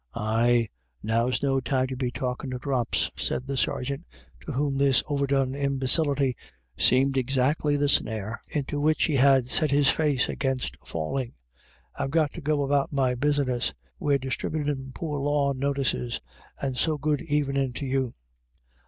"Ah, now's no time to be talkin' of drops," said the sergeant, to whom this overdone imbecility seemed exactly the snare into which he had set his face against falling, " I've got to go about my business. We're distribitin' poor law notices. And so good evenin' to you."